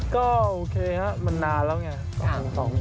ก็โอเคครับมันนานแล้วไง